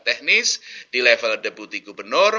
teknis di level deputi gubernur